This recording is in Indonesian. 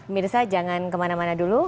mirsa jangan kemana mana dulu